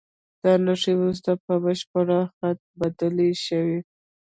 دا نښې وروسته په بشپړ خط بدلې شوې.